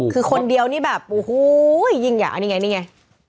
คือคนเดียวนี่แบบอู้หู้ยยิงหยานี่ไงนี่ไง